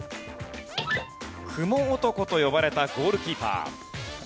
「クモ男」と呼ばれたゴールキーパー。